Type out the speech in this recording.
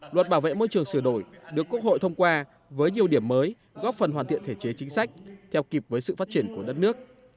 luật bảo vệ môi trường sửa đổi được quốc hội thông qua với nhiều điểm mới góp phần hoàn thiện thể chế chính sách theo kịp với sự phát triển của đất nước